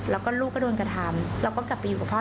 แล้วก็ลูกก็โดนกระทำเราก็กลับไปอยู่กับพ่อ